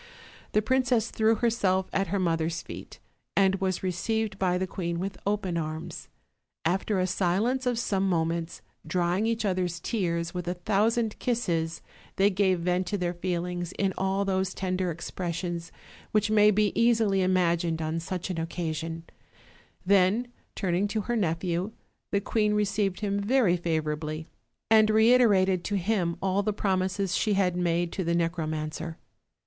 The princess threw herself at her mother's feet, and was received by the queen with open arms. After a silence of some mo ments, drying each other's tears with a thousand kisses, they gave vent to their feelings in all those tender ex pressions which may be easily imagined on such an occa sion: then, turning to her nephew, the queen received him very favorably, and reiterated to him all the promises she had made to the necromancer.